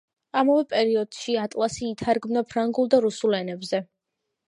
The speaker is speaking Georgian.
ამავე პერიოდში ატლასი ითარგმნა ფრანგულ და რუსულ ენებზე.